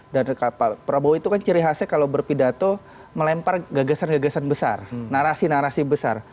dan pak prabowo itu ciri khasnya kalau berbitato melempar gagasan gagasan besar narasi narasi besar